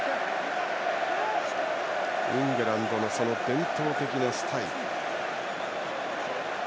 イングランドの伝統的なスタイル。